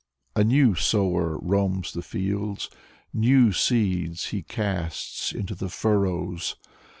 A new sower Roams the fields. New seeds He casts into die furrows.